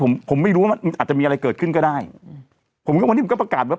ผมผมไม่รู้ว่ามันอาจจะมีอะไรเกิดขึ้นก็ได้อืมผมก็วันนี้ผมก็ประกาศว่า